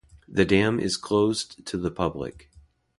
The dam is closed to the public.